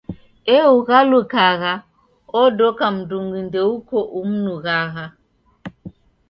Ee ughalukagha, odoka mndungi ndeuko umnughagha.